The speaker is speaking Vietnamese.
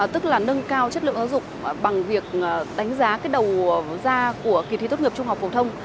tức là nâng cao chất lượng giáo dục bằng việc đánh giá cái đầu ra của kỳ thi tốt nghiệp trung học phổ thông